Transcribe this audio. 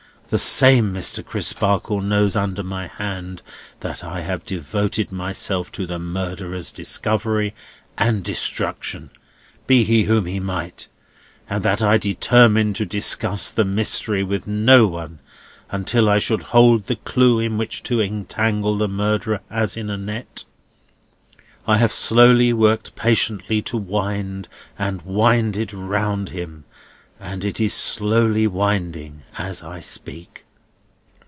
The same Mr. Crisparkle knows under my hand that I have devoted myself to the murderer's discovery and destruction, be he whom he might, and that I determined to discuss the mystery with no one until I should hold the clue in which to entangle the murderer as in a net. I have since worked patiently to wind and wind it round him; and it is slowly winding as I speak."